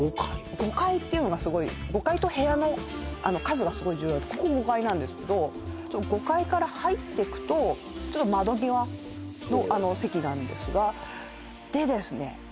５階っていうのがすごい５階と部屋の数がすごい重要ここ５階なんですけど５階から入っていくとちょっと窓際の席なんですがでですね